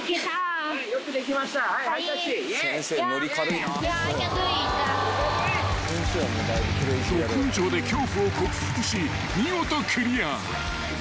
［ど根性で恐怖を克服し見事クリア］